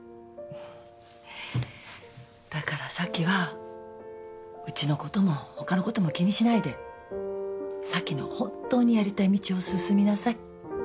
だから咲はうちのことも他のことも気にしないで咲の本当にやりたい道を進みなさい。